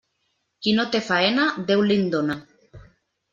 Qui no té faena, Déu li'n dóna.